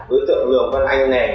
đối tượng lường văn anh này